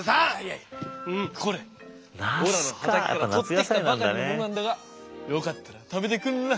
これおらの畑からとってきたばかりのものなんだがよかったら食べてくんろ。